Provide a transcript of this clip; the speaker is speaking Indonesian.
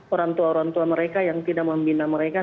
orang tua orang tua mereka yang tidak membina mereka